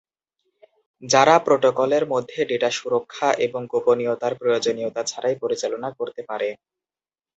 যারা প্রোটোকলের মধ্যে ডেটা সুরক্ষা এবং গোপনীয়তার প্রয়োজনীয়তা ছাড়াই পরিচালনা করতে পারে।